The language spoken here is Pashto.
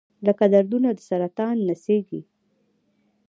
لکه دردونه د سرطان نڅیږي